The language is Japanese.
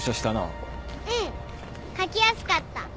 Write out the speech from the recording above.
うん書きやすかった。